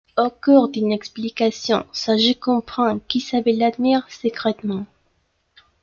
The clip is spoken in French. Au cours d'une explication Saget comprend qu'Isabelle l'admire secrètement.